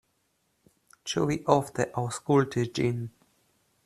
Ĉu vi ofte aŭskultis ĝin?